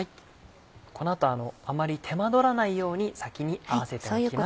この後あまり手間取らないように先に合わせておきます。